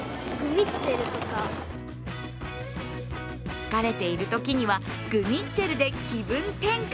疲れているときにはグミッツェルで気分転換。